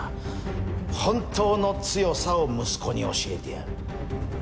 本当の強さを息子に教えてやる。